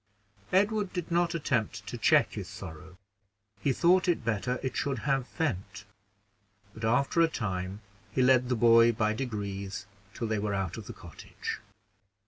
Edward did not attempt to check his sorrow, he thought it better it should have vent; but, after a time, he led the boy by degrees till they were out of the cottage.